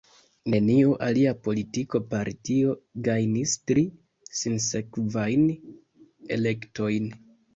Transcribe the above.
Neniu alia politika partio gajnis tri sinsekvajn elektojn.